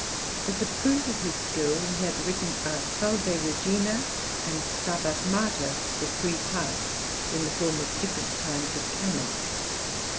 As a proof of his skill he had written a "Salve Regina" and "Stabat Mater" for three parts, in the form of different kinds of canon.